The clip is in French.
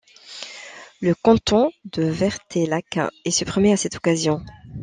Le canton de Verteillac est supprimé à cette occasion.